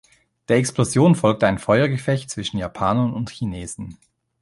Der Explosion folgte ein Feuergefecht zwischen Japanern und Chinesen.